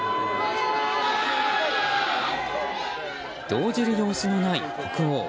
動じる様子のない国王。